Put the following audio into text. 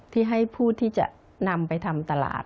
ที่ให้ผู้ที่จะนำไปทำตลาด